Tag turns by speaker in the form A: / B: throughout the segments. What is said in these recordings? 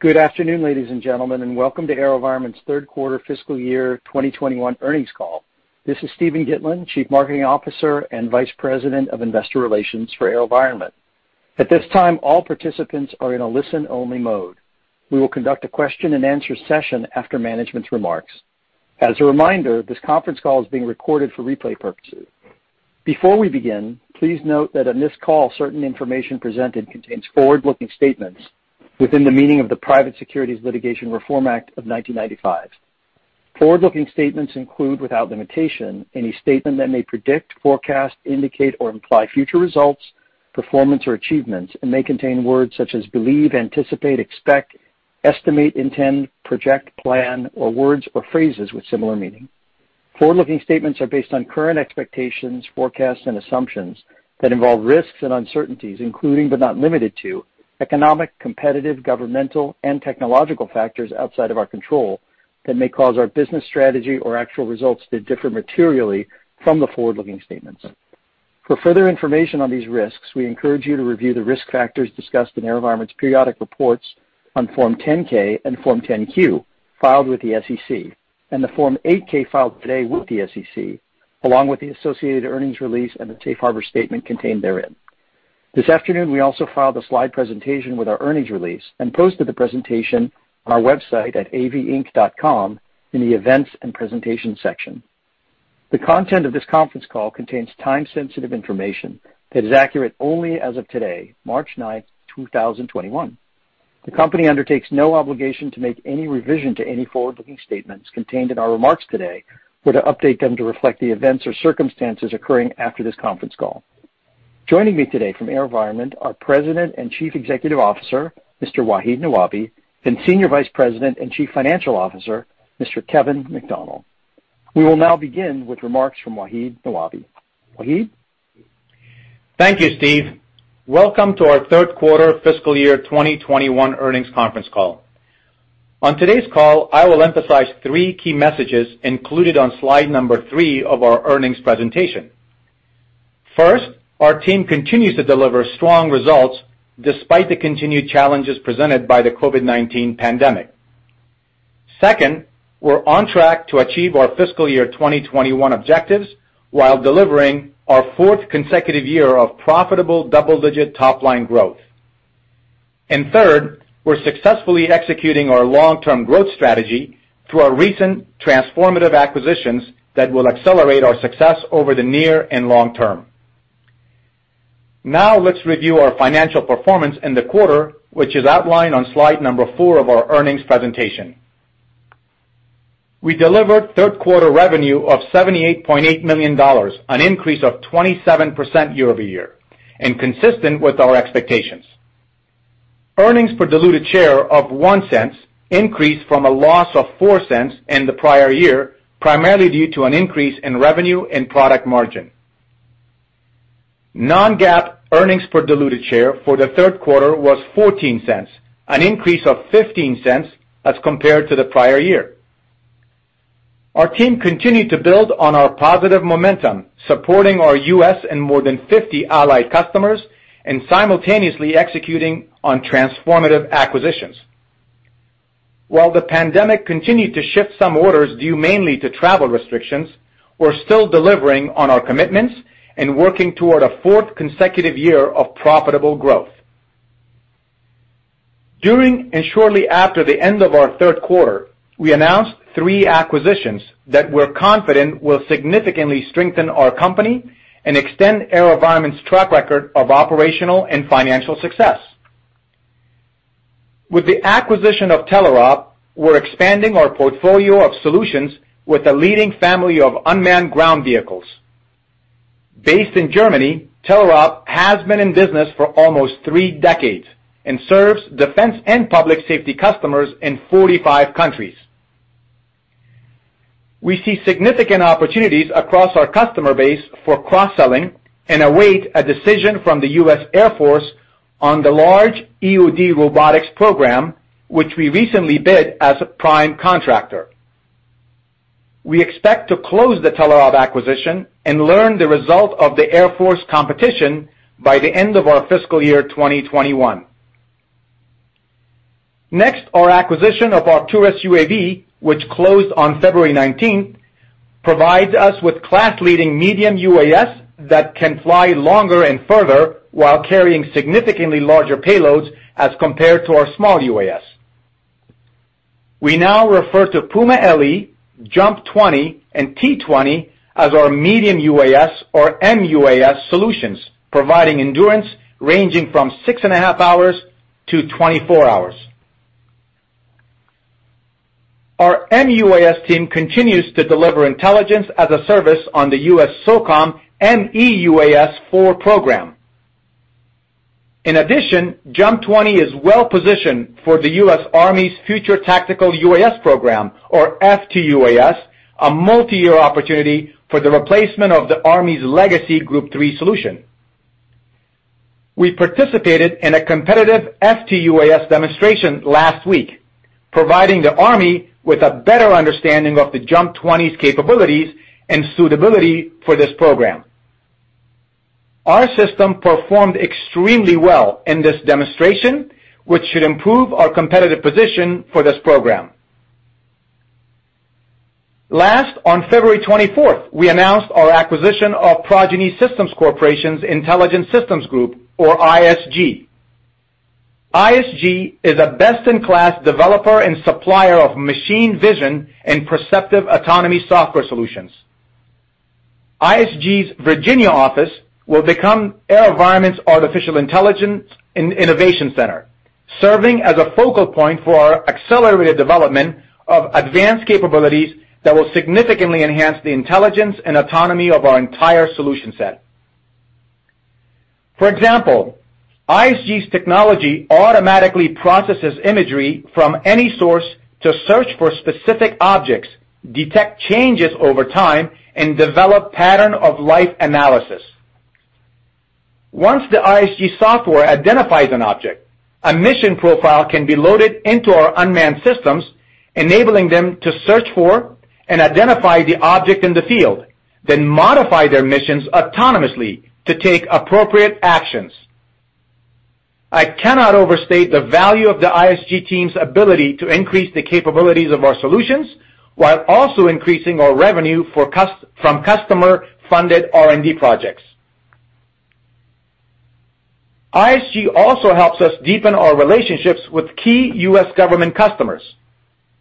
A: Good afternoon, ladies and gentlemen, and welcome to AeroVironment's Third Quarter Fiscal Year 2021 Earnings Call. This is Steven Gitlin, Chief Marketing Officer and Vice President of Investor Relations for AeroVironment. At this time, all participants are in a listen-only mode. We will conduct a question and answer session after management's remarks. As a reminder, this conference call is being recorded for replay purposes. Before we begin, please note that on this call, certain information presented contains forward-looking statements within the meaning of the Private Securities Litigation Reform Act of 1995. Forward-looking statements include, without limitation, any statement that may predict, forecast, indicate, or imply future results, performance, or achievements and may contain words such as believe, anticipate, expect, estimate, intend, project, plan, or words or phrases with similar meaning. Forward-looking statements are based on current expectations, forecasts, and assumptions that involve risks and uncertainties, including, but not limited to, economic, competitive, governmental, and technological factors outside of our control that may cause our business strategy or actual results to differ materially from the forward-looking statements. For further information on these risks, we encourage you to review the risk factors discussed in AeroVironment's periodic reports on Form 10-K and Form 10-Q filed with the SEC and the Form 8-K filed today with the SEC, along with the associated earnings release and the safe harbor statement contained therein. This afternoon, we also filed a slide presentation with our earnings release and posted the presentation on our website at avinc.com in the Events and Presentation section. The content of this conference call contains time-sensitive information that is accurate only as of today, March 9th, 2021. The company undertakes no obligation to make any revision to any forward-looking statements contained in our remarks today or to update them to reflect the events or circumstances occurring after this conference call. Joining me today from AeroVironment are President and Chief Executive Officer, Mr. Wahid Nawabi, and Senior Vice President and Chief Financial Officer, Mr. Kevin McDonnell. We will now begin with remarks from Wahid Nawabi. Wahid?
B: Thank you, Steve. Welcome to our Third Quarter Fiscal Year 2021 Earnings Conference Call. On today's call, I will emphasize three key messages included on slide number three of our earnings presentation. First, our team continues to deliver strong results despite the continued challenges presented by the COVID-19 pandemic. Second, we're on track to achieve our fiscal year 2021 objectives while delivering our fourth consecutive year of profitable double-digit top-line growth. Third, we're successfully executing our long-term growth strategy through our recent transformative acquisitions that will accelerate our success over the near and long term. Now, let's review our financial performance in the quarter, which is outlined on slide number four of our earnings presentation. We delivered third-quarter revenue of $78.8 million, an increase of 27% year-over-year, and consistent with our expectations. Earnings per diluted share of $0.01 increased from a loss of $0.04 in the prior year, primarily due to an increase in revenue and product margin. Non-GAAP earnings per diluted share for the third quarter was $0.14, an increase of $0.15 as compared to the prior year. Our team continued to build on our positive momentum, supporting our U.S. and more than 50 allied customers and simultaneously executing on transformative acquisitions. While the pandemic continued to shift some orders due mainly to travel restrictions, we're still delivering on our commitments and working toward a fourth consecutive year of profitable growth. During and shortly after the end of our third quarter, we announced three acquisitions that we're confident will significantly strengthen our company and extend AeroVironment's track record of operational and financial success. With the acquisition of Telerob, we're expanding our portfolio of solutions with a leading family of unmanned ground vehicles. Based in Germany, Telerob has been in business for almost three decades and serves defense and public safety customers in 45 countries. We see significant opportunities across our customer base for cross-selling and await a decision from the U.S. Air Force on the large EOD robotics program, which we recently bid as a prime contractor. We expect to close the Telerob acquisition and learn the result of the Air Force competition by the end of our fiscal year 2021. Next, our acquisition of Arcturus UAV, which closed on February 19th, provides us with class-leading medium UAS that can fly longer and further while carrying significantly larger payloads as compared to our small UAS. We now refer to Puma LE, JUMP 20, and T-20 as our medium UAS or MUAS solutions, providing endurance ranging from 6.5-24 hours. Our MUAS team continues to deliver intelligence as a service on the U.S. SOCOM MEUAS IV program. JUMP 20 is well-positioned for the U.S. Army's Future Tactical UAS program or FTUAS, a multi-year opportunity for the replacement of the Army's legacy Group 3 solution. We participated in a competitive FTUAS demonstration last week, providing the Army with a better understanding of the JUMP 20's capabilities and suitability for this program. Our system performed extremely well in this demonstration, which should improve our competitive position for this program. On February 24th, we announced our acquisition of Progeny Systems Corporation's Intelligent Systems Group, or ISG. ISG is a best-in-class developer and supplier of machine vision and perceptive autonomy software solutions. ISG's Virginia office will become AeroVironment's Artificial Intelligence and Innovation Center, serving as a focal point for our accelerated development of advanced capabilities that will significantly enhance the intelligence and autonomy of our entire solution set. For example, ISG's technology automatically processes imagery from any source to search for specific objects, detect changes over time, and develop pattern of life analysis. Once the ISG software identifies an object, a mission profile can be loaded into our unmanned systems, enabling them to search for and identify the object in the field, then modify their missions autonomously to take appropriate actions. I cannot overstate the value of the ISG team's ability to increase the capabilities of our solutions while also increasing our revenue from customer-funded R&D projects. ISG also helps us deepen our relationships with key U.S. government customers.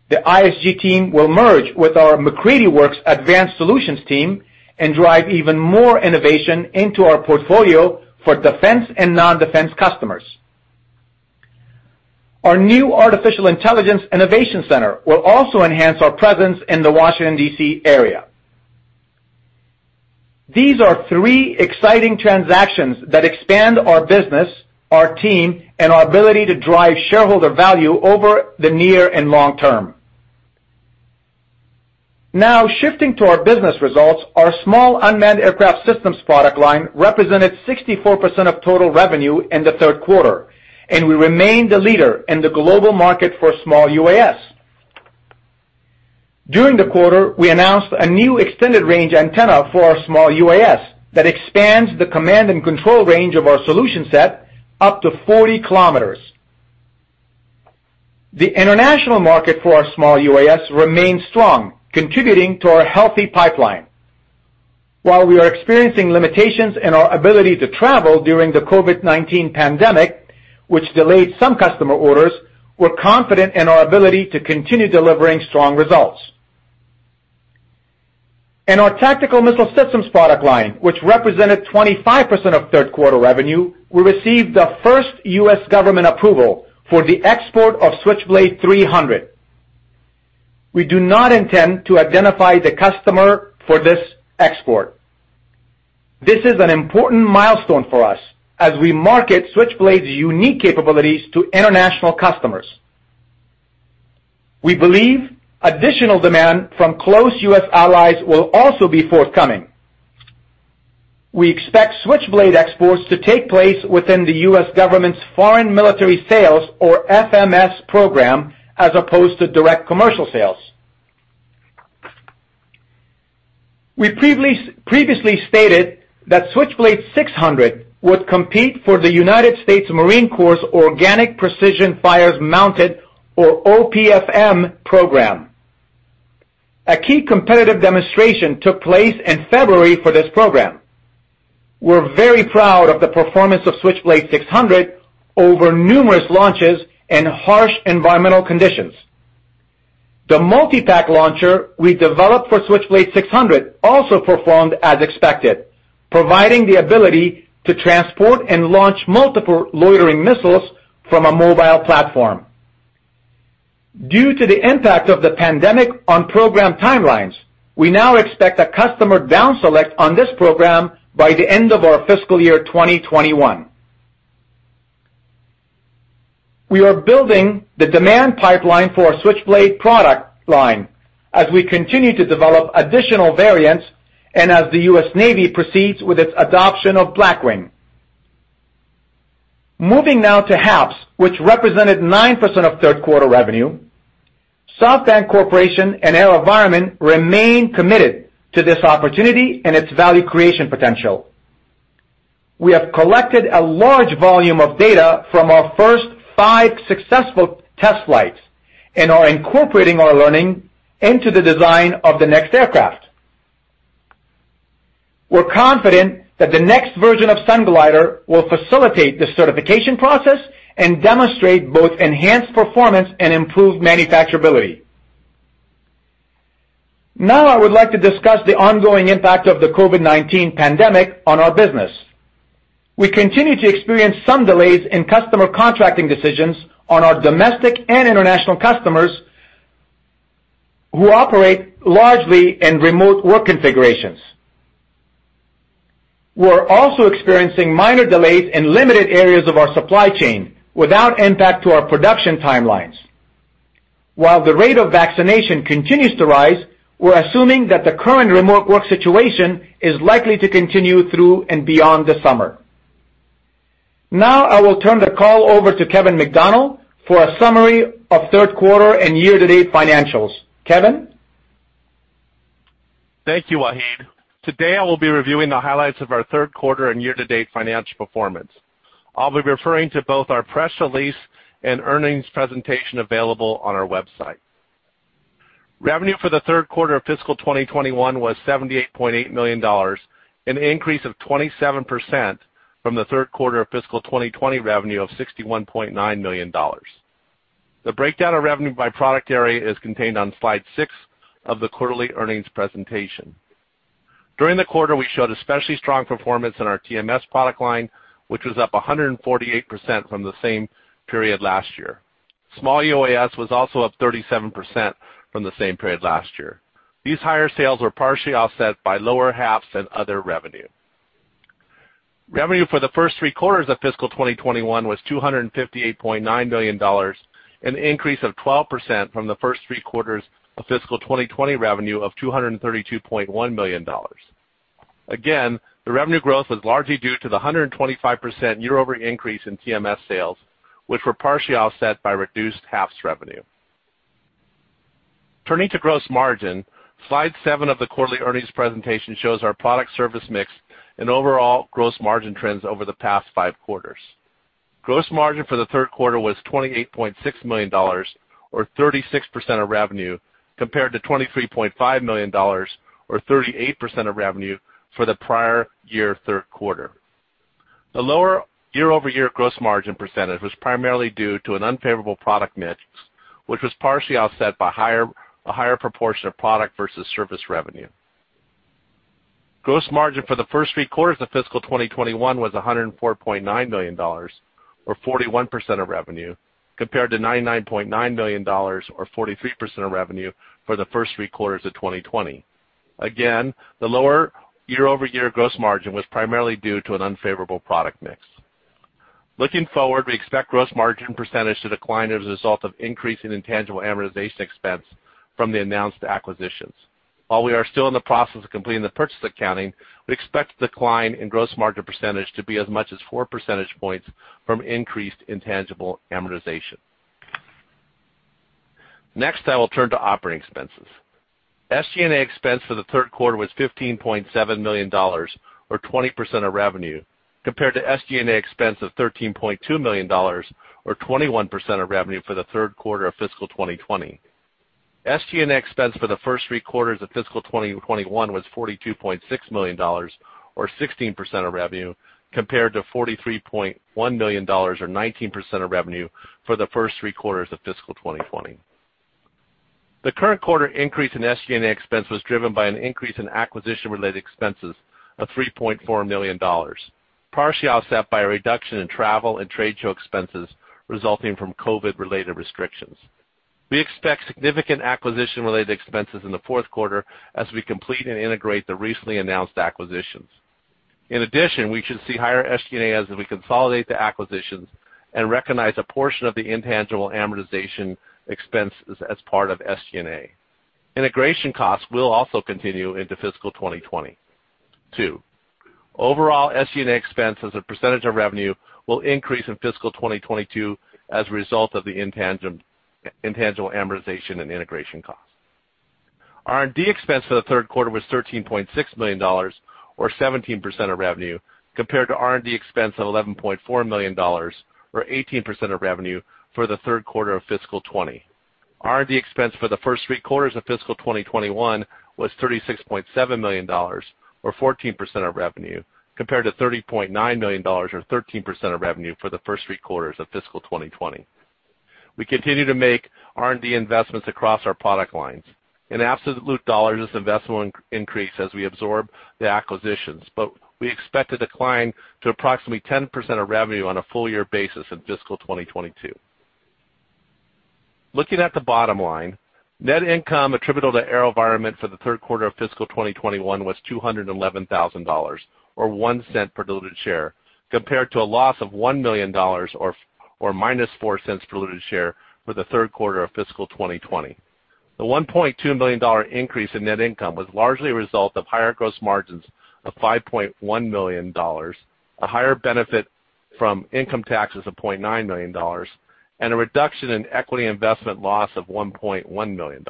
B: The ISG team will merge with our MacCready Works Advanced Solutions team and drive even more innovation into our portfolio for defense and non-defense customers. Our new Artificial Intelligence Innovation Center will also enhance our presence in the Washington, D.C. area. These are three exciting transactions that expand our business, our team, and our ability to drive shareholder value over the near and long term. Now, shifting to our business results, our small unmanned aircraft systems product line represented 64% of total revenue in the third quarter, and we remain the leader in the global market for small UAS. During the quarter, we announced a new extended range antenna for our small UAS that expands the command and control range of our solution set up to 40 km. The international market for our small UAS remains strong, contributing to our healthy pipeline. While we are experiencing limitations in our ability to travel during the COVID-19 pandemic, which delayed some customer orders, we're confident in our ability to continue delivering strong results. In our tactical missile systems product line, which represented 25% of third quarter revenue, we received the first U.S. government approval for the export of Switchblade 300. We do not intend to identify the customer for this export. This is an important milestone for us as we market Switchblade's unique capabilities to international customers. We believe additional demand from close U.S. allies will also be forthcoming. We expect Switchblade exports to take place within the U.S. government's foreign military sales, or FMS, program as opposed to direct commercial sales. We previously stated that Switchblade 600 would compete for the United States Marine Corps Organic Precision Fires Mounted, or OPFM, program. A key competitive demonstration took place in February for this program. We're very proud of the performance of Switchblade 600 over numerous launches in harsh environmental conditions. The multi-pack launcher we developed for Switchblade 600 also performed as expected, providing the ability to transport and launch multiple loitering missiles from a mobile platform. Due to the impact of the pandemic on program timelines, we now expect a customer down select on this program by the end of our fiscal year 2021. We are building the demand pipeline for our Switchblade product line as we continue to develop additional variants and as the U.S. Navy proceeds with its adoption of Blackwing. Moving now to HAPS, which represented 9% of third quarter revenue, SoftBank Corporation and AeroVironment remain committed to this opportunity and its value creation potential. We have collected a large volume of data from our first five successful test flights and are incorporating our learning into the design of the next aircraft. We're confident that the next version of Sunglider will facilitate the certification process and demonstrate both enhanced performance and improved manufacturability. I would like to discuss the ongoing impact of the COVID-19 pandemic on our business. We continue to experience some delays in customer contracting decisions on our domestic and international customers who operate largely in remote work configurations. We're also experiencing minor delays in limited areas of our supply chain without impact to our production timelines. While the rate of vaccination continues to rise, we're assuming that the current remote work situation is likely to continue through and beyond the summer. I will turn the call over to Kevin McDonnell for a summary of third quarter and year-to-date financials. Kevin?
C: Thank you, Wahid. Today I will be reviewing the highlights of our third quarter and year-to-date financial performance. I'll be referring to both our press release and earnings presentation available on our website. Revenue for the third quarter of fiscal 2021 was $78.8 million, an increase of 27% from the third quarter of fiscal 2020 revenue of $61.9 million. The breakdown of revenue by product area is contained on slide six of the quarterly earnings presentation. During the quarter, we showed especially strong performance in our TMS product line, which was up 148% from the same period last year. Small UAS was also up 37% from the same period last year. These higher sales were partially offset by lower HAPS and other revenue. Revenue for the first three quarters of fiscal 2021 was $258.9 million, an increase of 12% from the first three quarters of fiscal 2020 revenue of $232.1 million. Again, the revenue growth was largely due to the 125% year-over-year increase in TMS sales, which were partially offset by reduced HAPS revenue. Turning to gross margin, slide seven of the quarterly earnings presentation shows our product service mix and overall gross margin trends over the past five quarters. Gross margin for the third quarter was $28.6 million, or 36% of revenue, compared to $23.5 million, or 38% of revenue for the prior year third quarter. The lower year-over-year gross margin percentage was primarily due to an unfavorable product mix, which was partially offset by a higher proportion of product versus service revenue. Gross margin for the first three quarters of fiscal 2021 was $104.9 million, or 41% of revenue, compared to $99.9 million or 43% of revenue for the first three quarters of 2020. The lower year-over-year gross margin was primarily due to an unfavorable product mix. Looking forward, we expect gross margin percentage to decline as a result of increase in intangible amortization expense from the announced acquisitions. While we are still in the process of completing the purchase accounting, we expect the decline in gross margin percentage to be as much as four percentage points from increased intangible amortization. I will turn to operating expenses. SG&A expense for the third quarter was $15.7 million, or 20% of revenue, compared to SG&A expense of $13.2 million, or 21% of revenue for the third quarter of fiscal 2020. SG&A expense for the first three quarters of fiscal 2021 was $42.6 million, or 16% of revenue, compared to $43.1 million or 19% of revenue for the first three quarters of fiscal 2020. The current quarter increase in SG&A expense was driven by an increase in acquisition-related expenses of $3.4 million, partially offset by a reduction in travel and trade show expenses resulting from COVID-related restrictions. We expect significant acquisition-related expenses in the fourth quarter as we complete and integrate the recently announced acquisitions. In addition, we should see higher SG&As as we consolidate the acquisitions and recognize a portion of the intangible amortization expenses as part of SG&A. Integration costs will also continue into fiscal 2022. Overall, SG&A expense as a percentage of revenue will increase in fiscal 2022 as a result of the intangible amortization and integration costs. R&D expense for the third quarter was $13.6 million, or 17% of revenue, compared to R&D expense of $11.4 million, or 18% of revenue for the third quarter of fiscal 2020. R&D expense for the first three quarters of fiscal 2021 was $36.7 million, or 14% of revenue, compared to $30.9 million or 13% of revenue for the first three quarters of fiscal 2020. We continue to make R&D investments across our product lines. In absolute dollars, this investment will increase as we absorb the acquisitions, but we expect a decline to approximately 10% of revenue on a full year basis in fiscal 2022. Looking at the bottom line, net income attributable to AeroVironment for the third quarter of fiscal 2021 was $211,000, or $0.01 per diluted share, compared to a loss of $1 million, or minus $0.04 per diluted share for the third quarter of fiscal 2020. The $1.2 million increase in net income was largely a result of higher gross margins of $5.1 million, a higher benefit from income taxes of $0.9 million, and a reduction in equity investment loss of $1.1 million.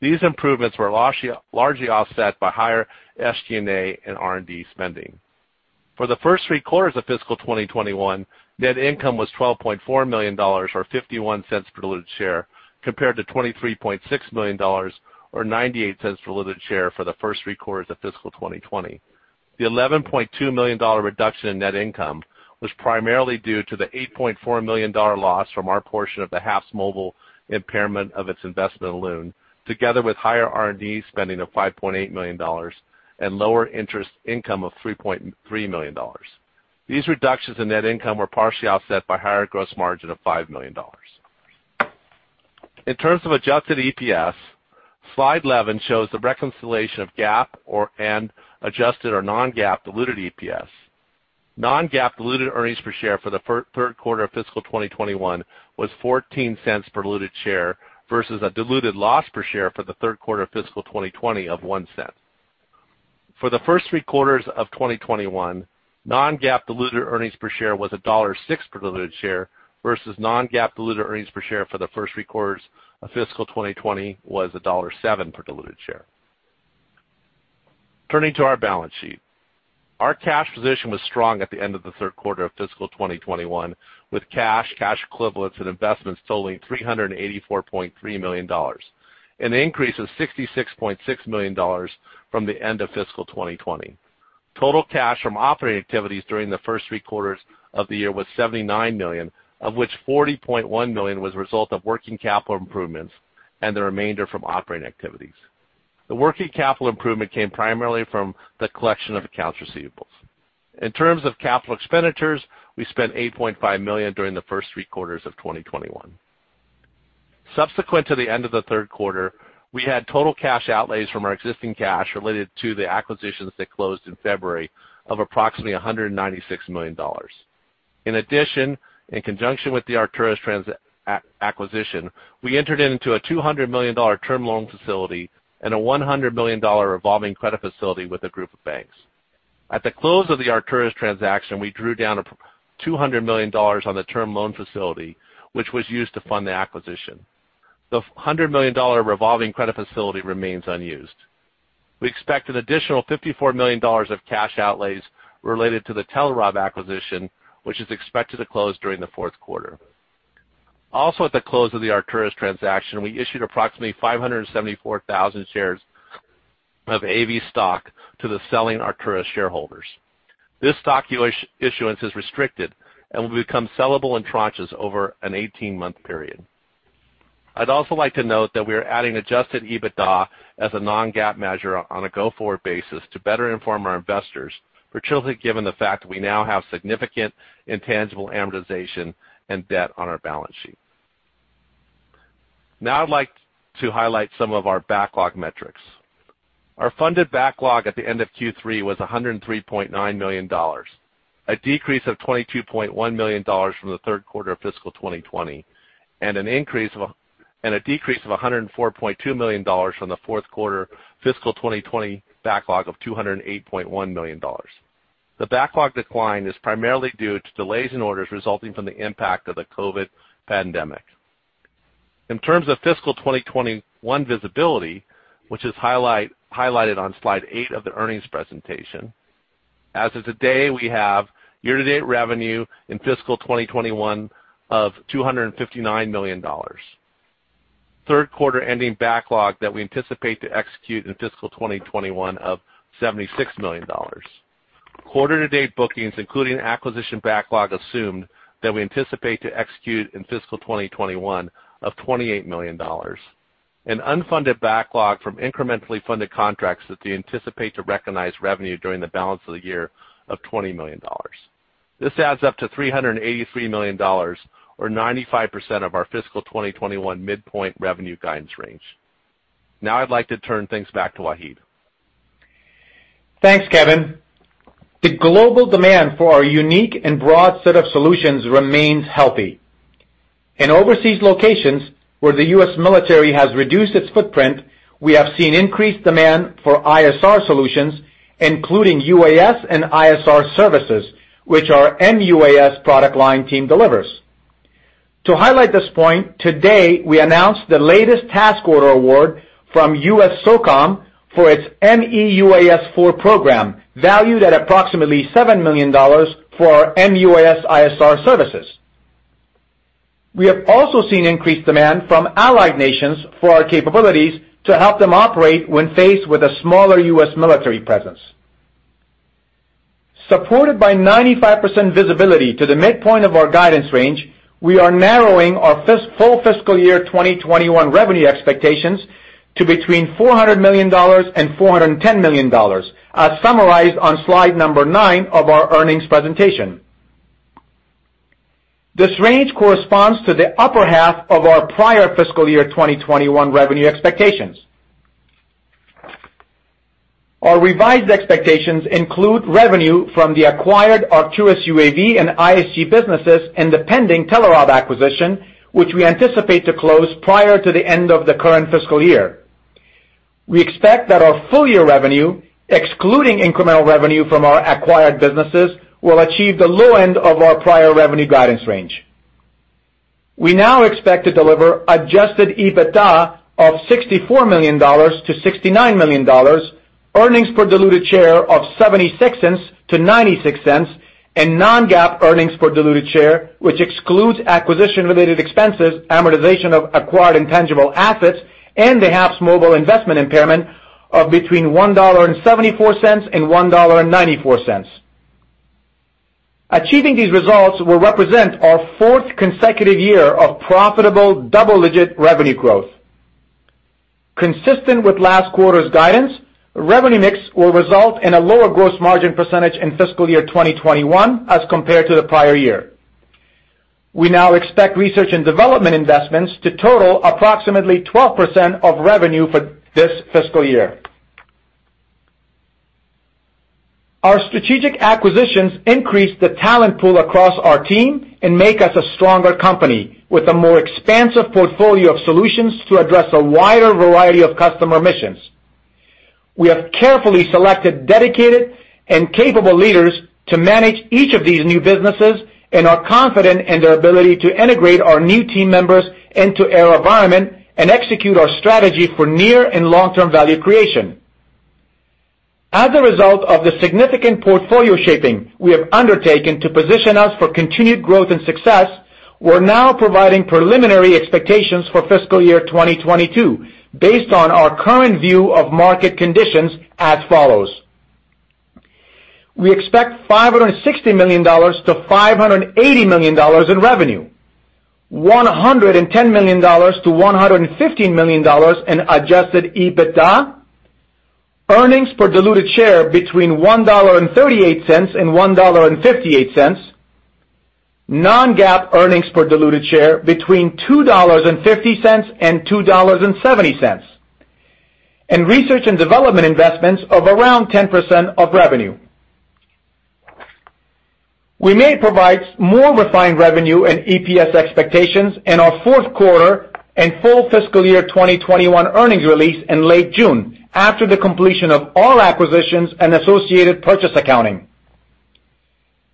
C: These improvements were largely offset by higher SG&A and R&D spending. For the first three quarters of fiscal 2021, net income was $12.4 million, or $0.51 per diluted share, compared to $23.6 million, or $0.98 per diluted share for the first three quarters of fiscal 2020. The $11.2 million reduction in net income was primarily due to the $8.4 million loss from our portion of the HAPSMobile impairment of its investment loon, together with higher R&D spending of $5.8 million and lower interest income of $3.3 million. These reductions in net income were partially offset by higher gross margin of $5 million. In terms of adjusted EPS, slide 11 shows the reconciliation of GAAP and adjusted or non-GAAP diluted EPS. Non-GAAP diluted earnings per share for the third quarter of fiscal 2021 was $0.14 per diluted share versus a diluted loss per share for the third quarter of fiscal 2020 of $0.01. For the first three quarters of 2021, non-GAAP diluted earnings per share was $1.06 per diluted share versus non-GAAP diluted earnings per share for the first three quarters of fiscal 2020 was $1.07 per diluted share. Turning to our balance sheet. Our cash position was strong at the end of the third quarter of fiscal 2021, with cash equivalents, and investments totaling $384.3 million, an increase of $66.6 million from the end of fiscal 2020. Total cash from operating activities during the first three quarters of the year was $79 million, of which $40.1 million was a result of working capital improvements and the remainder from operating activities. The working capital improvement came primarily from the collection of accounts receivables. In terms of capital expenditures, we spent $8.5 million during the first three quarters of 2021. Subsequent to the end of the third quarter, we had total cash outlays from our existing cash related to the acquisitions that closed in February of approximately $196 million. In addition, in conjunction with the Arcturus acquisition, we entered into a $200 million term loan facility and a $100 million revolving credit facility with a group of banks. At the close of the Arcturus transaction, we drew down $200 million on the term loan facility, which was used to fund the acquisition. The $100 million revolving credit facility remains unused. We expect an additional $54 million of cash outlays related to the Telerob acquisition, which is expected to close during the fourth quarter. Also, at the close of the Arcturus transaction, we issued approximately 574,000 shares of AV stock to the selling Arcturus shareholders. This stock issuance is restricted and will become sellable in tranches over an 18-month period. I'd also like to note that we are adding adjusted EBITDA as a non-GAAP measure on a go-forward basis to better inform our investors, particularly given the fact that we now have significant intangible amortization and debt on our balance sheet. Now I'd like to highlight some of our backlog metrics. Our funded backlog at the end of Q3 was $103.9 million, a decrease of $22.1 million from the third quarter of fiscal 2020, a decrease of $104.2 million from the fourth quarter fiscal 2020 backlog of $208.1 million. The backlog decline is primarily due to delays in orders resulting from the impact of the COVID pandemic. In terms of fiscal 2021 visibility, which is highlighted on slide eight of the earnings presentation, as of today, we have year-to-date revenue in fiscal 2021 of $259 million. Third quarter ending backlog that we anticipate to execute in fiscal 2021 of $76 million. Quarter to date bookings, including acquisition backlog assumed that we anticipate to execute in fiscal 2021 of $28 million. An unfunded backlog from incrementally funded contracts that we anticipate to recognize revenue during the balance of the year of $20 million. This adds up to $383 million or 95% of our fiscal 2021 midpoint revenue guidance range. Now I'd like to turn things back to Wahid.
B: Thanks, Kevin. The global demand for our unique and broad set of solutions remains healthy. In overseas locations, where the U.S. military has reduced its footprint, we have seen increased demand for ISR solutions, including UAS and ISR services, which our MUAS product line team delivers. To highlight this point, today we announced the latest task order award from U.S. SOCOM for its MEUAS IV program, valued at approximately $7 million for our MUAS ISR services. We have also seen increased demand from allied nations for our capabilities to help them operate when faced with a smaller U.S. military presence. Supported by 95% visibility to the midpoint of our guidance range, we are narrowing our full FY 2021 revenue expectations to between $400 million and $410 million, as summarized on slide number nine of our earnings presentation. This range corresponds to the upper half of our prior fiscal year 2021 revenue expectations. Our revised expectations include revenue from the acquired Arcturus UAV and ISG businesses and the pending Telerob acquisition, which we anticipate to close prior to the end of the current fiscal year. We expect that our full-year revenue, excluding incremental revenue from our acquired businesses, will achieve the low end of our prior revenue guidance range. We now expect to deliver adjusted EBITDA of $64 million-$69 million, earnings per diluted share of $0.76-$0.96, and non-GAAP earnings per diluted share, which excludes acquisition-related expenses, amortization of acquired intangible assets, and the HAPSMobile investment impairment of between $1.74 and $1.94. Achieving these results will represent our fourth consecutive year of profitable double-digit revenue growth. Consistent with last quarter's guidance, revenue mix will result in a lower gross margin percentage in fiscal year 2021 as compared to the prior year. We now expect research and development investments to total approximately 12% of revenue for this fiscal year. Our strategic acquisitions increase the talent pool across our team and make us a stronger company with a more expansive portfolio of solutions to address a wider variety of customer missions. We have carefully selected dedicated and capable leaders to manage each of these new businesses and are confident in their ability to integrate our new team members into our environment and execute our strategy for near and long-term value creation. As a result of the significant portfolio shaping we have undertaken to position us for continued growth and success, we're now providing preliminary expectations for fiscal year 2022 based on our current view of market conditions as follows. We expect $560 million-$580 million in revenue, $110 million-$115 million in adjusted EBITDA, earnings per diluted share between $1.38 and $1.58, non-GAAP earnings per diluted share between $2.50 and $2.70, and research and development investments of around 10% of revenue. We may provide more refined revenue and EPS expectations in our fourth quarter and full fiscal year 2021 earnings release in late June, after the completion of all acquisitions and associated purchase accounting.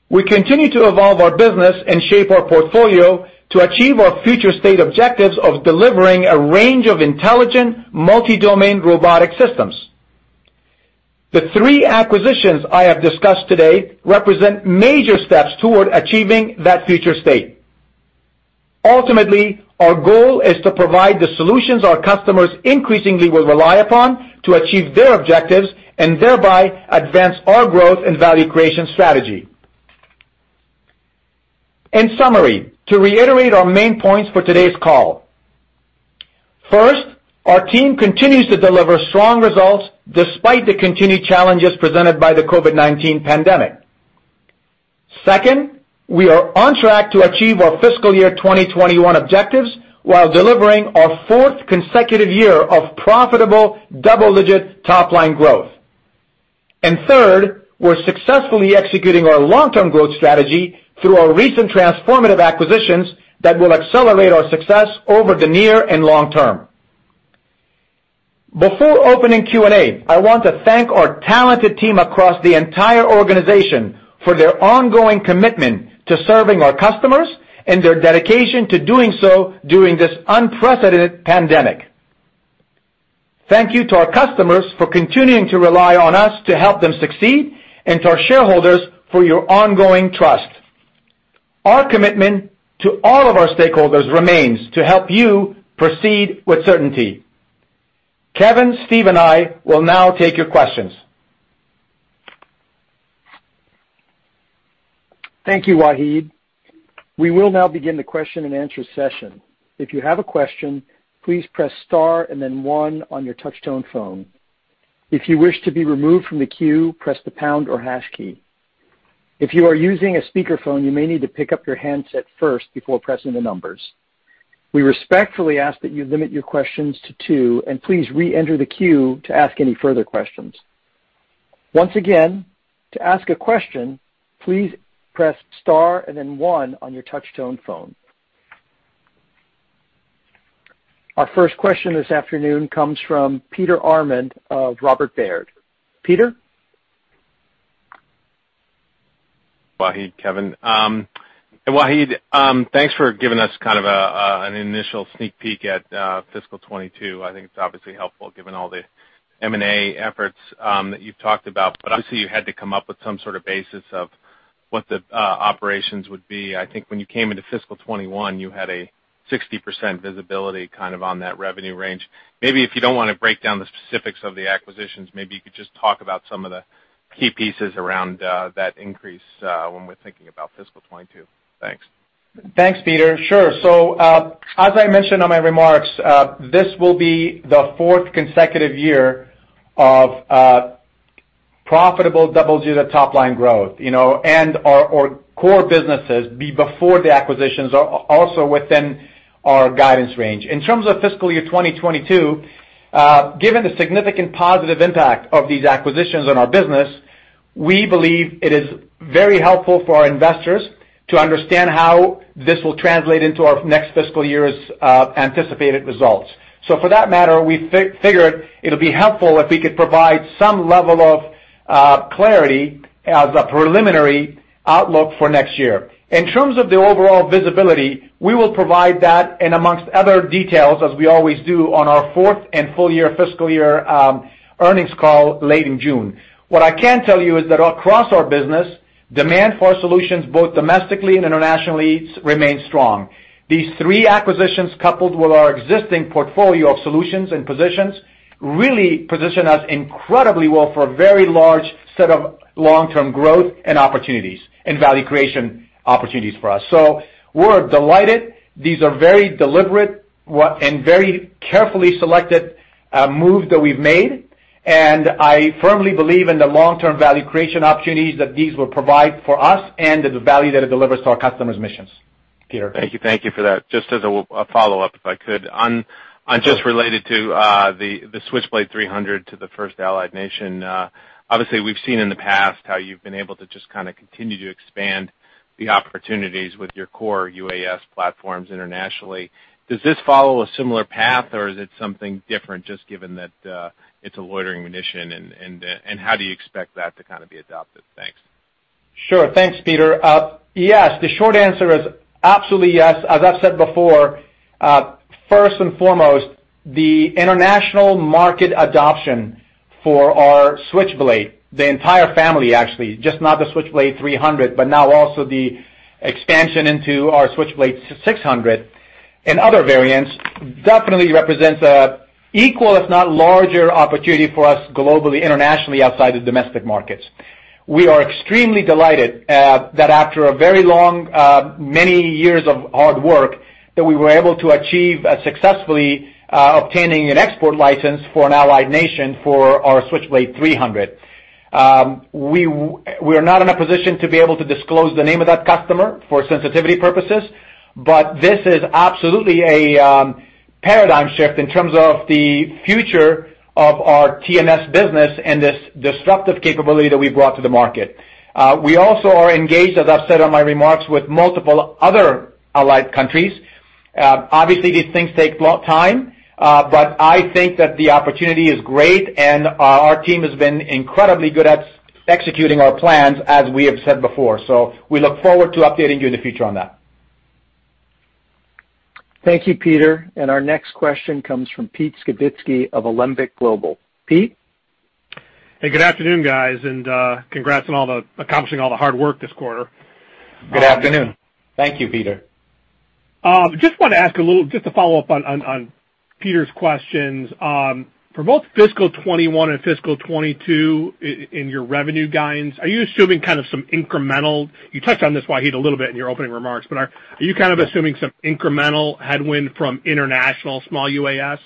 B: We continue to evolve our business and shape our portfolio to achieve our future state objectives of delivering a range of intelligent multi-domain robotic systems. The three acquisitions I have discussed today represent major steps toward achieving that future state. Ultimately, our goal is to provide the solutions our customers increasingly will rely upon to achieve their objectives, and thereby advance our growth and value creation strategy. In summary, to reiterate our main points for today's call. First, our team continues to deliver strong results despite the continued challenges presented by the COVID-19 pandemic. Second, we are on track to achieve our fiscal year 2021 objectives while delivering our fourth consecutive year of profitable double-digit top-line growth. Third, we're successfully executing our long-term growth strategy through our recent transformative acquisitions that will accelerate our success over the near and long term. Before opening Q&A, I want to thank our talented team across the entire organization for their ongoing commitment to serving our customers and their dedication to doing so during this unprecedented pandemic. Thank you to our customers for continuing to rely on us to help them succeed, and to our shareholders for your ongoing trust. Our commitment to all of our stakeholders remains to help you proceed with certainty. Kevin, Steve, and I will now take your questions.
A: Thank you, Wahid. We will now begin the question and answer session. If you have a question, please press star and then one on your touch-tone phone. If you wish to be removed from the queue, press the pound or hash key. If you are using a speakerphone, you may need to pick up your handset first before pressing the numbers. We respectfully ask that you limit your questions to two and please re-enter the queue to ask any further questions. Once again, to ask a question, please press star and then one on your touch-tone phone. Our first question this afternoon comes from Peter Arment of Robert Baird. Peter?
D: Wahid, Kevin. Wahid, thanks for giving us kind of an initial sneak peek at fiscal 2022. I think it's obviously helpful given all the M&A efforts that you've talked about, but obviously you had to come up with some sort of basis of what the operations would be. I think when you came into fiscal 2021, you had a 60% visibility kind of on that revenue range. Maybe if you don't want to break down the specifics of the acquisitions, maybe you could just talk about some of the key pieces around that increase when we're thinking about fiscal 2022. Thanks.
B: Thanks, Peter. Sure. As I mentioned on my remarks, this will be the fourth consecutive year of profitable double-digit top-line growth. Our core businesses before the acquisitions are also within our guidance range. In terms of fiscal year 2022, given the significant positive impact of these acquisitions on our business, we believe it is very helpful for our investors to understand how this will translate into our next fiscal year's anticipated results. For that matter, we figured it'll be helpful if we could provide some level of clarity as a preliminary outlook for next year. In terms of the overall visibility, we will provide that in amongst other details, as we always do on our fourth and full year fiscal year earnings call late in June. What I can tell you is that across our business, demand for our solutions, both domestically and internationally, remains strong. These three acquisitions, coupled with our existing portfolio of solutions and positions, really position us incredibly well for a very large set of long-term growth and opportunities and value creation opportunities for us. We're delighted. These are very deliberate and very carefully selected moves that we've made, and I firmly believe in the long-term value creation opportunities that these will provide for us and the value that it delivers to our customers missions.
D: Thank you for that. Just as a follow-up, if I could. On just related to the Switchblade 300 to the first Allied nation. Obviously, we've seen in the past how you've been able to just kind of continue to expand the opportunities with your core UAS platforms internationally. Does this follow a similar path, or is it something different, just given that it's a loitering munition, and how do you expect that to kind of be adopted? Thanks.
B: Sure. Thanks, Peter. Yes, the short answer is absolutely yes. As I've said before, first and foremost, the international market adoption for our Switchblade, the entire family, actually, just not the Switchblade 300, but now also the expansion into our Switchblade 600 and other variants, definitely represents an equal, if not larger, opportunity for us globally, internationally, outside the domestic markets. We are extremely delighted that after a very long, many years of hard work, that we were able to achieve successfully obtaining an export license for an allied nation for our Switchblade 300. We are not in a position to be able to disclose the name of that customer for sensitivity purposes, but this is absolutely a paradigm shift in terms of the future of our TMS business and this disruptive capability that we brought to the market. We also are engaged, as I've said on my remarks, with multiple other allied countries. Obviously, these things take time, but I think that the opportunity is great, and our team has been incredibly good at executing our plans, as we have said before. We look forward to updating you in the future on that.
A: Thank you, Peter. Our next question comes from Pete Skibitski of Alembic Global. Pete?
E: Hey, good afternoon, guys, and congrats on accomplishing all the hard work this quarter.
B: Good afternoon.
C: Thank you, Peter.
E: Just wanted to ask a little, just to follow up on Peter's questions. For both fiscal 2021 and fiscal 2022 in your revenue guidance, you touched on this, Wahid, a little bit in your opening remarks, are you kind of assuming some incremental headwind from international small UAS?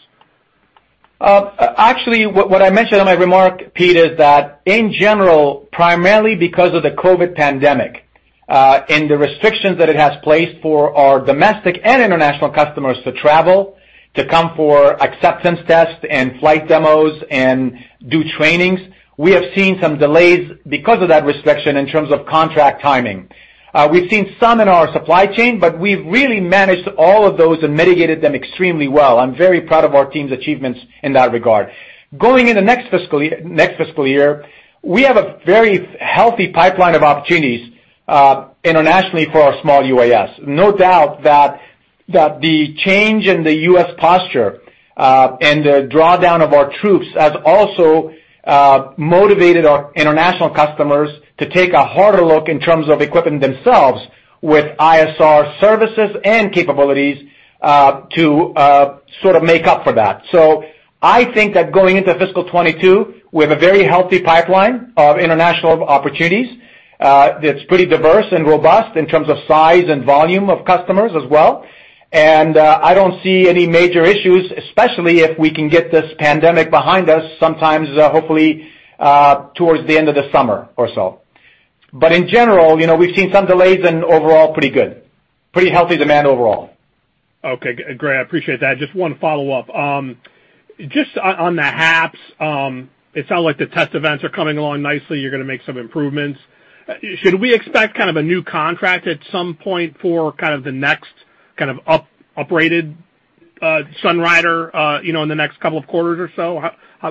B: Actually, what I mentioned in my remark, Pete, is that in general, primarily because of the COVID-19 pandemic, and the restrictions that it has placed for our domestic and international customers to travel, to come for acceptance tests and flight demos and do trainings. We have seen some delays because of that restriction in terms of contract timing. We've seen some in our supply chain, we've really managed all of those and mitigated them extremely well. I'm very proud of our team's achievements in that regard. Going into next fiscal year, we have a very healthy pipeline of opportunities internationally for our small UAS. No doubt that the change in the U.S. posture and the drawdown of our troops has also motivated our international customers to take a harder look in terms of equipping themselves with ISR services and capabilities, to sort of make up for that. I think that going into fiscal 2022, we have a very healthy pipeline of international opportunities. It's pretty diverse and robust in terms of size and volume of customers as well. I don't see any major issues, especially if we can get this pandemic behind us sometimes, hopefully, towards the end of the summer or so. In general, we've seen some delays and overall pretty good. Pretty healthy demand overall.
E: Okay, great. I appreciate that. Just one follow-up. Just on the HAPS. It sounds like the test events are coming along nicely. You're going to make some improvements. Should we expect kind of a new contract at some point for kind of the next kind of up-operated Sunglider in the next couple of quarters or so?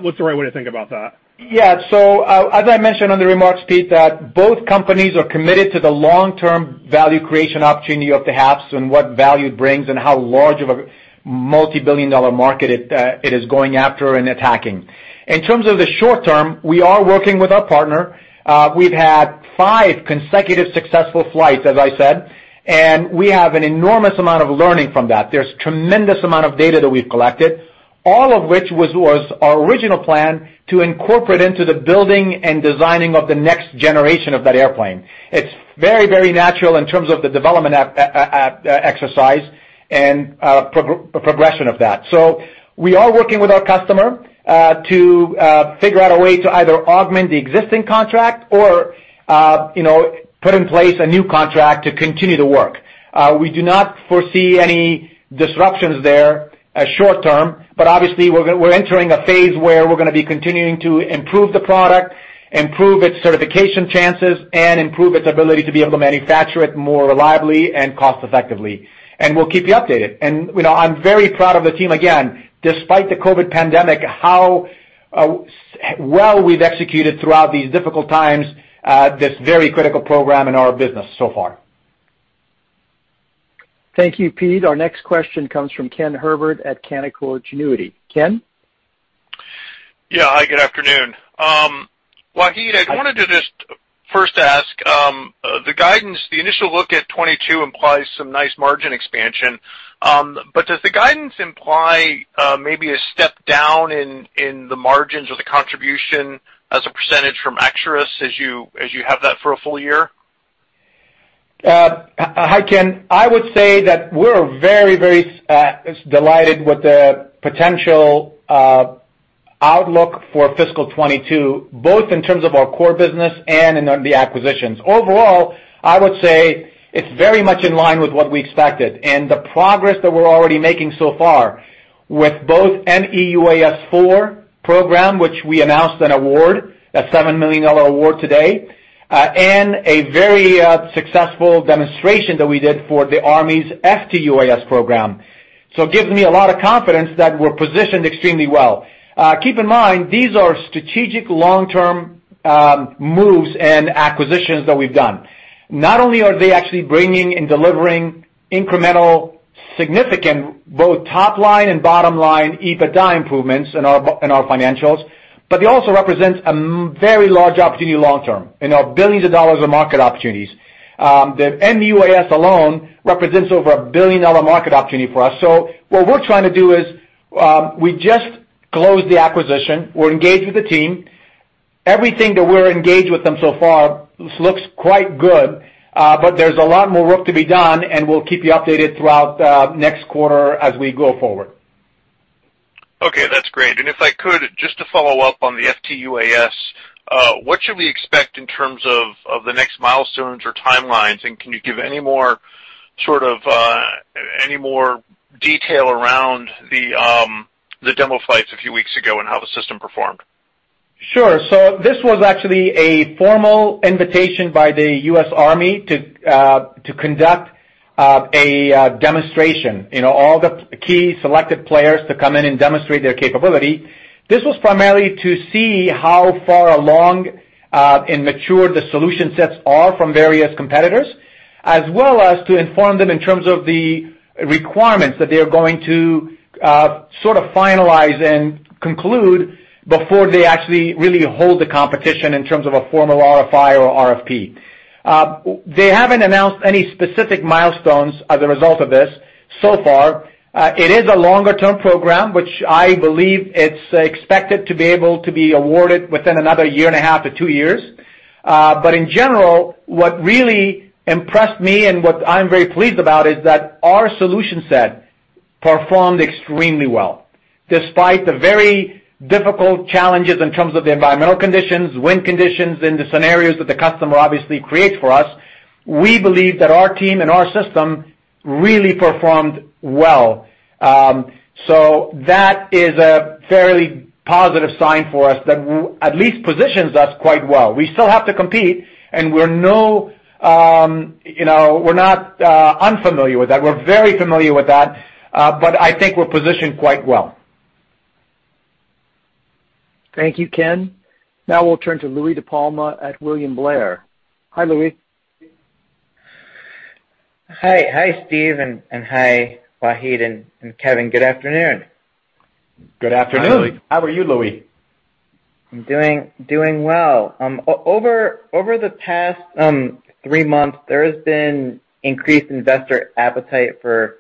E: What's the right way to think about that?
B: Yeah. As I mentioned on the remarks, Pete, that both companies are committed to the long-term value creation opportunity of the HAPS and what value it brings and how large of a multi-billion-dollar market it is going after and attacking. In terms of the short term, we are working with our partner. We've had five consecutive successful flights, as I said, and we have an enormous amount of learning from that. There's tremendous amount of data that we've collected, all of which was our original plan to incorporate into the building and designing of the next generation of that airplane. It's very natural in terms of the development exercise and progression of that. We are working with our customer, to figure out a way to either augment the existing contract or put in place a new contract to continue the work. We do not foresee any disruptions there short term. Obviously, we're entering a phase where we're going to be continuing to improve the product, improve its certification chances, and improve its ability to be able to manufacture it more reliably and cost effectively. We'll keep you updated. I'm very proud of the team, again, despite the COVID pandemic, how well we've executed throughout these difficult times, this very critical program in our business so far.
A: Thank you, Pete. Our next question comes from Ken Herbert at Canaccord Genuity. Ken?
F: Yeah. Hi, good afternoon. Wahid, I wanted to just first ask, the guidance, the initial look at 2022 implies some nice margin expansion. Does the guidance imply maybe a step down in the margins or the contribution as a percentage from Arcturus as you have that for a full year?
B: Hi, Ken. I would say that we're very delighted with the potential outlook for fiscal 2022, both in terms of our core business and in the acquisitions. Overall, I would say it's very much in line with what we expected and the progress that we're already making so far with both MEUAS IV program, which we announced an award, a $7 million award today, and a very successful demonstration that we did for the Army's FTUAS program. It gives me a lot of confidence that we're positioned extremely well. Keep in mind, these are strategic long-term moves and acquisitions that we've done. Not only are they actually bringing and delivering incremental, significant, both top line and bottom line EBITDA improvements in our financials, they also represent a very large opportunity long term. Billions of dollars of market opportunities. The MEUAS alone represents over a billion-dollar market opportunity for us. What we're trying to do is, we just closed the acquisition. We're engaged with the team. Everything that we're engaged with them so far looks quite good, but there's a lot more work to be done, and we'll keep you updated throughout next quarter as we go forward.
F: Okay, that's great. If I could, just to follow up on the FTUAS, what should we expect in terms of the next milestones or timelines, and can you give any more detail around the demo flights a few weeks ago and how the system performed?
B: Sure. This was actually a formal invitation by the U.S. Army to conduct a demonstration. All the key selected players to come in and demonstrate their capability. This was primarily to see how far along and mature the solution sets are from various competitors, as well as to inform them in terms of the requirements that they are going to sort of finalize and conclude before they actually really hold the competition in terms of a formal RFI or RFP. They haven't announced any specific milestones as a result of this so far. It is a longer-term program, which I believe it's expected to be able to be awarded within another year and a half to two years. In general, what really impressed me and what I'm very pleased about is that our solution set performed extremely well. Despite the very difficult challenges in terms of the environmental conditions, wind conditions, and the scenarios that the customer obviously creates for us, we believe that our team and our system really performed well. That is a fairly positive sign for us that at least positions us quite well. We still have to compete, and we're not unfamiliar with that. We're very familiar with that. I think we're positioned quite well.
A: Thank you, Ken. Now we'll turn to Louie DiPalma at William Blair. Hi, Louie.
G: Hi, Steve, and hi, Wahid and Kevin. Good afternoon.
B: Good afternoon.
A: Hi, Louie.
B: How are you, Louie?
G: I'm doing well. Over the past three months, there has been increased investor appetite for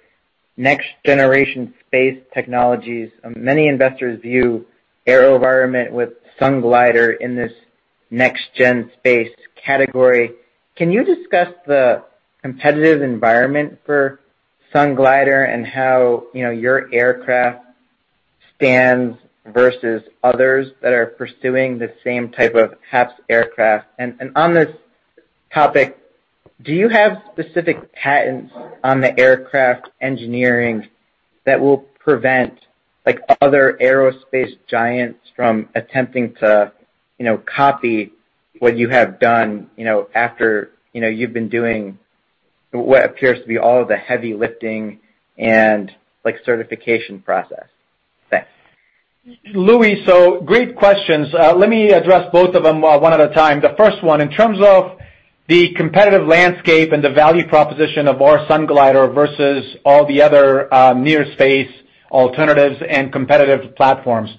G: next-generation space technologies. Many investors view AeroVironment with Sunglider in this next gen space category. Can you discuss the competitive environment for Sunglider and how your aircraft stands versus others that are pursuing the same type of HAPS aircraft? On this topic, do you have specific patents on the aircraft engineering that will prevent other aerospace giants from attempting to copy what you have done after you've been doing what appears to be all of the heavy lifting and certification process? Thanks.
B: Louie, great questions. Let me address both of them one at a time. The first one, in terms of the competitive landscape and the value proposition of our Sunglider versus all the other near space alternatives and competitive platforms.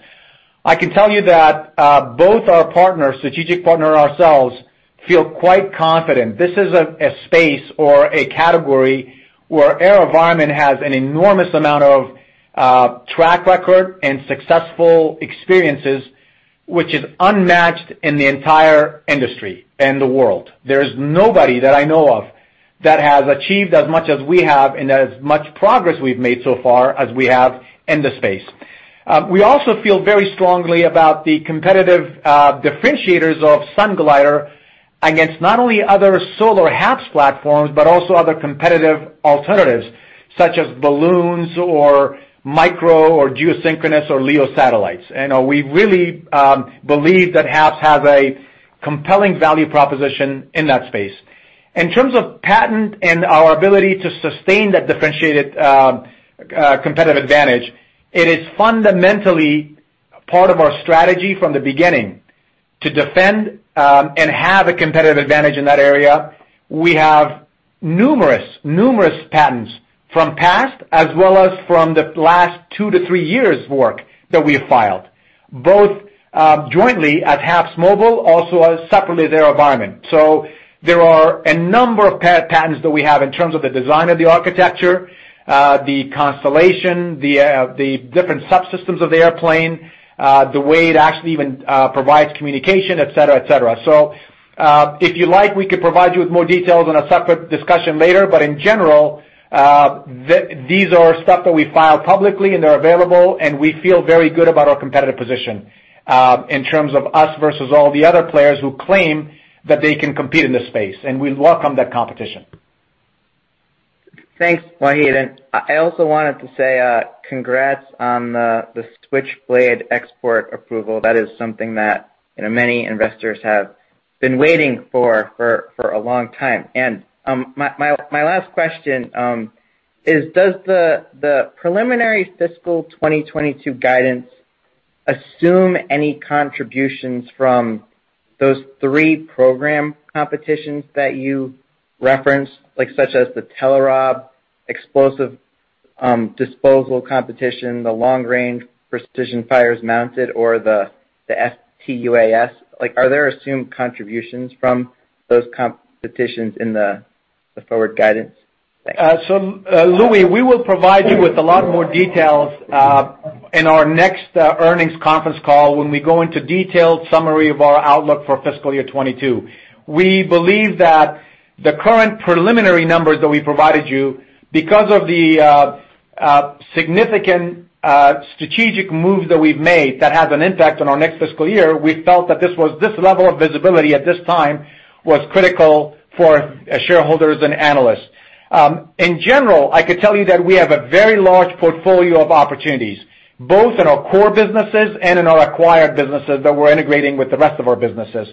B: I can tell you that both our partners, strategic partner, and ourselves, feel quite confident. This is a space or a category where AeroVironment has an enormous amount of track record and successful experiences, which is unmatched in the entire industry and the world. There is nobody that I know of that has achieved as much as we have and as much progress we've made so far as we have in the space. We also feel very strongly about the competitive differentiators of Sunglider against not only other solar HAPS platforms, but also other competitive alternatives, such as balloons or micro or geosynchronous or LEO satellites. We really believe that HAPS has a compelling value proposition in that space. In terms of patent and our ability to sustain that differentiated competitive advantage, it is fundamentally part of our strategy from the beginning to defend, and have a competitive advantage in that area. We have numerous patents from past, as well as from the last two to three years' work that we have filed, both jointly at HAPSMobile, also separately at AeroVironment. There are a number of patents that we have in terms of the design of the architecture, the constellation, the different subsystems of the airplane, the way it actually even provides communication, et cetera. If you like, we could provide you with more details on a separate discussion later, but in general, these are stuff that we file publicly, and they're available, and we feel very good about our competitive position in terms of us versus all the other players who claim that they can compete in this space, and we welcome that competition.
G: Thanks, Wahid. I also wanted to say congrats on the Switchblade export approval. That is something that many investors have been waiting for a long time. My last question is, does the preliminary fiscal 2022 guidance assume any contributions from those three program competitions that you referenced, such as the Telerob explosive disposal competition, the long-range precision fires mounted, or the FTUAS? Are there assumed contributions from those competitions in the forward guidance? Thanks.
B: Louie, we will provide you with a lot more details in our next earnings conference call when we go into detailed summary of our outlook for fiscal year 2022. We believe that the current preliminary numbers that we provided you, because of the significant strategic moves that we've made that has an impact on our next fiscal year, we felt that this level of visibility at this time was critical for shareholders and analysts. In general, I could tell you that we have a very large portfolio of opportunities, both in our core businesses and in our acquired businesses that we're integrating with the rest of our businesses.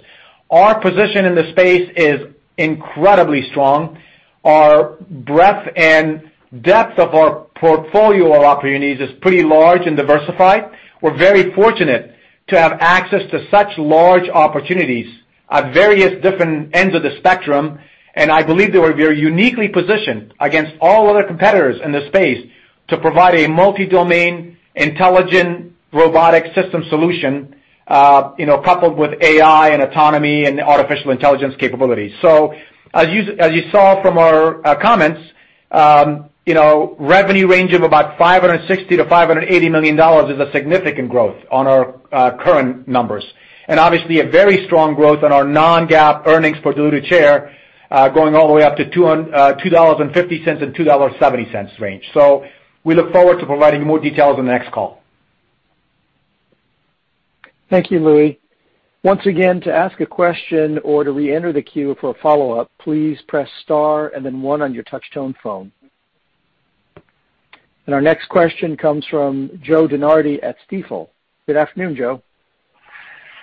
B: Our position in the space is incredibly strong. Our breadth and depth of our portfolio of opportunities is pretty large and diversified. We're very fortunate to have access to such large opportunities at various different ends of the spectrum, and I believe that we're very uniquely positioned against all other competitors in this space to provide a multi-domain intelligent robotic system solution, coupled with AI and autonomy and artificial intelligence capabilities. As you saw from our comments, revenue range of about $560 million-$580 million is a significant growth on our current numbers. And obviously, a very strong growth on our non-GAAP earnings per diluted share, going all the way up to $2.50-$2.70 range. We look forward to providing more details on the next call.
A: Thank you, Louie. Once again, to ask a question or to reenter the queue for a follow-up, please press star and then one on your touch-tone phone. Our next question comes from Joe DeNardi at Stifel. Good afternoon, Joe.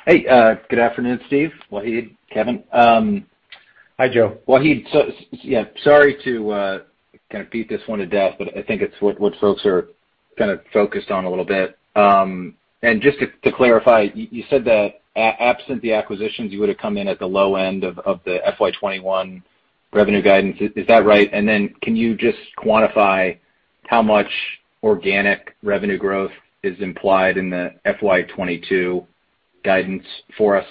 H: Hey, good afternoon, Steve, Wahid, Kevin.
B: Hi, Joe.
H: Wahid, yeah, sorry to kind of beat this one to death, I think it's what folks are kind of focused on a little bit. Just to clarify, you said that absent the acquisitions, you would've come in at the low end of the FY 2021 revenue guidance. Is that right? Then can you just quantify how much organic revenue growth is implied in the FY 2022 guidance for us?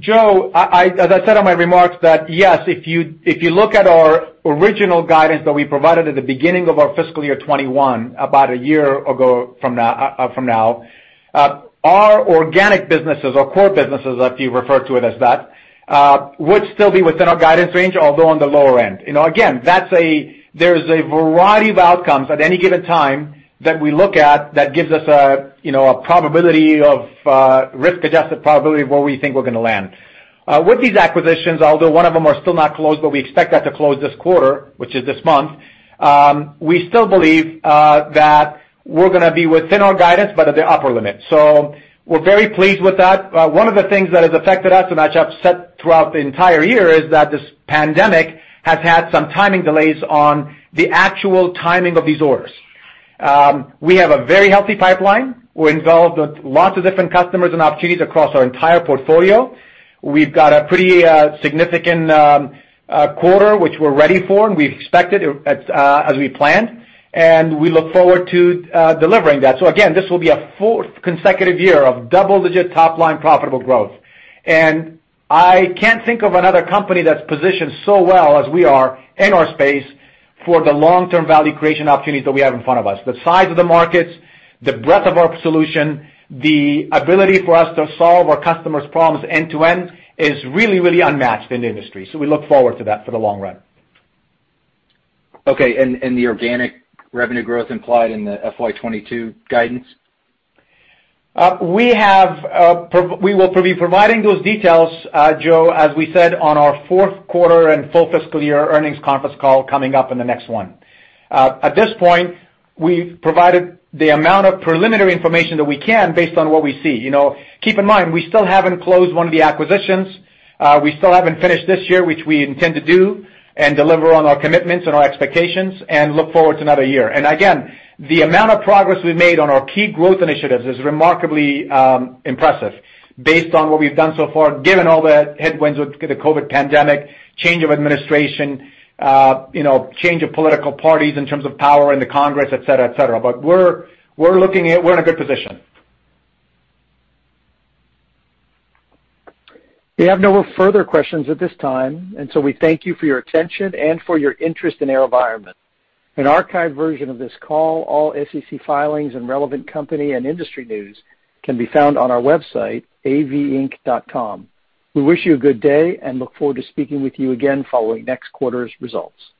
B: Joe, as I said on my remarks, that yes, if you look at our original guidance that we provided at the beginning of our fiscal year 2021, about a year ago from now, our organic businesses or core businesses, if you refer to it as that, would still be within our guidance range, although on the lower end. Again, there's a variety of outcomes at any given time that we look at that gives us a risk-adjusted probability of where we think we're going to land. With these acquisitions, although one of them are still not closed, but we expect that to close this quarter, which is this month, we still believe that we're gonna be within our guidance, but at the upper limit. We're very pleased with that. One of the things that has affected us, and as I've said throughout the entire year, is that this pandemic has had some timing delays on the actual timing of these orders. We have a very healthy pipeline. We're involved with lots of different customers and opportunities across our entire portfolio. We've got a pretty significant quarter, which we're ready for, and we expect it as we planned, and we look forward to delivering that. Again, this will be a fourth consecutive year of double-digit top-line profitable growth. I can't think of another company that's positioned so well as we are in our space for the long-term value creation opportunities that we have in front of us. The size of the markets, the breadth of our solution, the ability for us to solve our customers' problems end-to-end is really, really unmatched in the industry. We look forward to that for the long run.
H: Okay, the organic revenue growth implied in the FY 2022 guidance?
B: We will be providing those details, Joe, as we said on our fourth quarter and full fiscal year earnings conference call coming up in the next one. At this point, we've provided the amount of preliminary information that we can based on what we see. Keep in mind, we still haven't closed one of the acquisitions. We still haven't finished this year, which we intend to do and deliver on our commitments and our expectations and look forward to another year. Again, the amount of progress we've made on our key growth initiatives is remarkably impressive based on what we've done so far, given all the headwinds with the COVID pandemic, change of administration, change of political parties in terms of power in the Congress, et cetera. We're in a good position.
A: We have no further questions at this time. We thank you for your attention and for your interest in AeroVironment. An archived version of this call, all SEC filings, and relevant company and industry news can be found on our website, avinc.com. We wish you a good day and look forward to speaking with you again following next quarter's results.